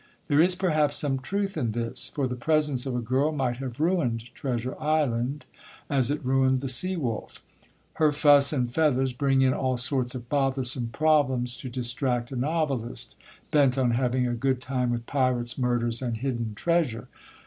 There is perhaps some truth in this; for the presence of a girl might have ruined Treasure Island, as it ruined the Sea Wolf. Her fuss and feathers bring in all sorts of bothersome problems to distract a novelist, bent on having a good time with pirates, murders, and hidden treasure.